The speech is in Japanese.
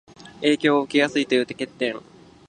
影響を受けやすいという欠点